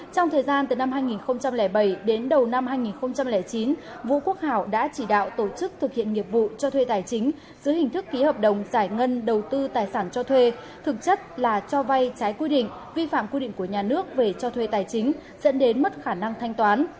trong thời gian từ năm hai nghìn bảy đến đầu năm hai nghìn chín vũ quốc hảo đã chỉ đạo tổ chức thực hiện nghiệp vụ cho thuê tài chính dưới hình thức ký hợp đồng giải ngân đầu tư tài sản cho thuê thực chất là cho vay trái quy định vi phạm quy định của nhà nước về cho thuê tài chính dẫn đến mất khả năng thanh toán